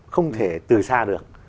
không thể từ xa được